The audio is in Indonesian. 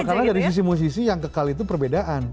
karena dari sisi musisi yang kekal itu perbedaan